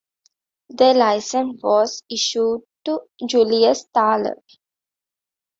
The license was issued to Julius Thaller.